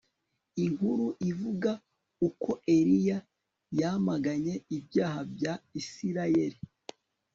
Inkuru ivuga uko Eliya yamaganye ibyaha bya Isirayeli